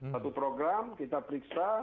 satu program kita periksa